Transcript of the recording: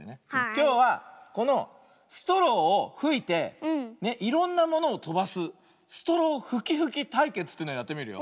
きょうはこのストローをふいていろんなものをとばす「ストローふきふきたいけつ」というのをやってみるよ。